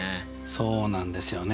そうなんですよね。